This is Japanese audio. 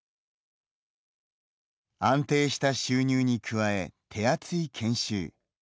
安定した収入に加え、手厚い研修。